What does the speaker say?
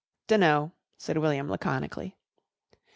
"Dunno," said William laconically.